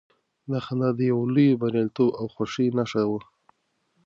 دا خندا د يو لوی برياليتوب او خوښۍ نښه وه.